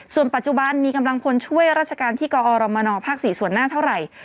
ส่วนปัจจุบันมีกำลังพลช่วยราชการที่กอรมนภ๔ส่วนหน้าเท่าไหร่